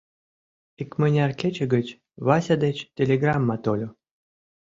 Икмыняр кече гыч Вася деч телеграмма тольо.